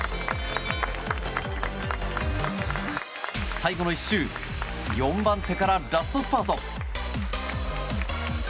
最後の１周４番手からラストスパート。